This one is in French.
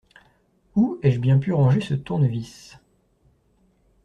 Où ai-je bien pu ranger ce tournevis?